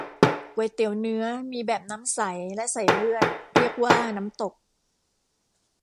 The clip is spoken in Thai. ก๋วยเตี๋ยวเนื้อ มีแบบน้ำใส และใส่เลือด เรียกว่าน้ำตก